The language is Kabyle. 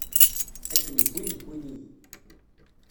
Akken wwin wwin-iyi.